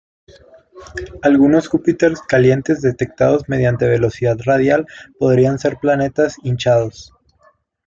Algunos Júpiter calientes detectados mediante Velocidad Radial podrían ser planetas hinchados.